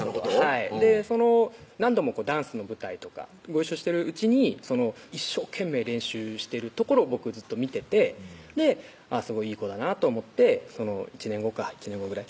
はい何度もダンスの舞台とかご一緒してるうちに一生懸命練習してるところを僕ずっと見ててすごいいい子だなと思って１年後か１年後ぐらい？